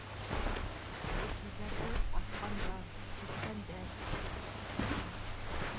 Ғәйепһеҙҙәрҙе аҫҡандар, киҫкәндәр, ти.